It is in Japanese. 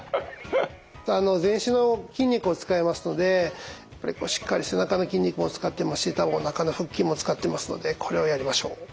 全身の筋肉を使いますのでこれしっかり背中の筋肉も使ってますしおなかの腹筋も使ってますのでこれをやりましょう。